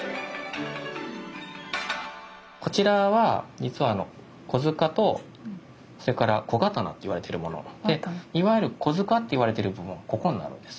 こちらは実は小柄とそれから小刀といわれてるものでいわゆる小柄っていわれてる部分ここになるんです。